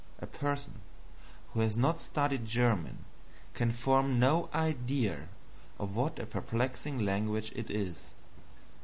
A person who has not studied German can form no idea of what a perplexing language it is.